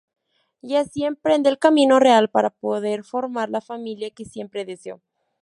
Y así emprende el camino real para poder formar la familia que siempre deseó.